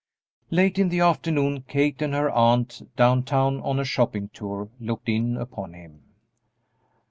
Late in the afternoon Kate and her aunt, down town on a shopping tour, looked in upon him.